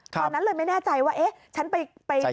ตอนนั้นเลยไม่แน่ใจว่าเอ๊ะฉันไป